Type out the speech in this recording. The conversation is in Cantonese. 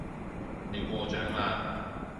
你過獎啦